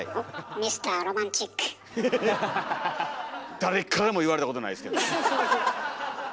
誰からも言われたことないですけども。